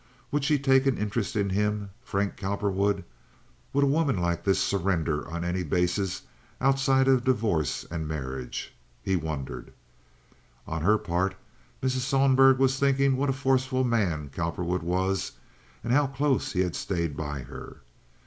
Would she take an interest in him, Frank Cowperwood? Would a woman like this surrender on any basis outside of divorce and marriage? He wondered. On her part, Mrs. Sohlberg was thinking what a forceful man Cowperwood was, and how close he had stayed by her.